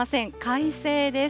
快晴です。